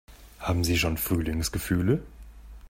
Haben Sie schon Frühlingsgefühle?